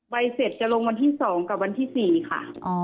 เสร็จจะลงวันที่๒กับวันที่๔ค่ะ